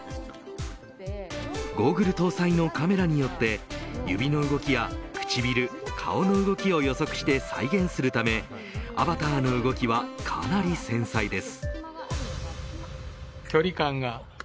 ゴーグル搭載のカメラによって指の動きや唇顔の動きを予測して再現するためアバターの動きはかなり繊細です。